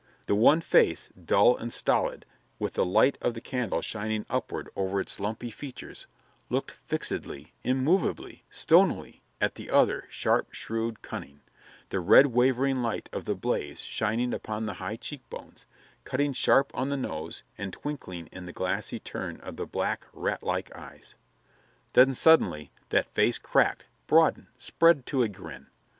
The one face, dull and stolid, with the light of the candle shining upward over its lumpy features, looked fixedly, immovably, stonily at the other, sharp, shrewd, cunning the red wavering light of the blaze shining upon the high cheek bones, cutting sharp on the nose and twinkling in the glassy turn of the black, ratlike eyes. Then suddenly that face cracked, broadened, spread to a grin.